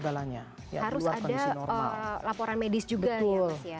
harus ada laporan medis juga ya mas ya